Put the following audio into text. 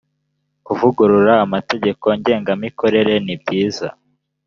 kuvugurura amategeko ngengamikorere nibyiza.